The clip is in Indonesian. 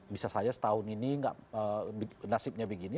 bisa saja setahun ini nasibnya begini